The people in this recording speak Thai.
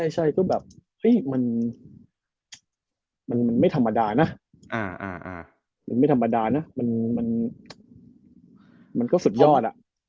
ใช่ก็แบบเฮ้ยมันไม่ธรรมดานะมันไม่ธรรมดานะมันก็สุดยอด